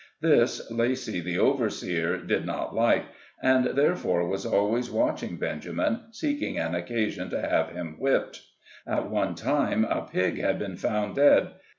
This, Lacy the overseer, did not like, and therefore was always watching Benjamin, seek ing an occasion to have him whipped. At one time, a pig had been found dead.